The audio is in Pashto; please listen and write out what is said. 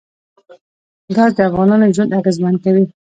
ګاز د افغانانو ژوند اغېزمن کوي.